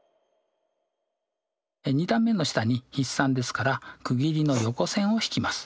２段目の下に筆算ですから区切りの横線を引きます。